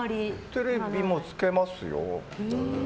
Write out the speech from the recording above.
テレビもつけますよ。